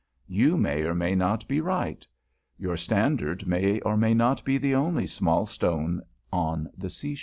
You may or may not be right. Your standard may or may not be the only small stone on the seashore.